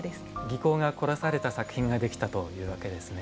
技巧が凝らされた作品ができたというわけですね。